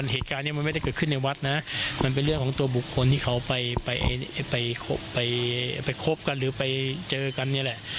เหตุการณ์นี้มันไม่ได้เกิดขึ้นในวัดนะมันเป็นเรื่องของตัวบุคคลที่เขาไปคบกันหรือไปเจอกันนี่แหละ